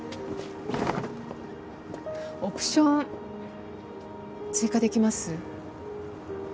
オプション追加出来ます？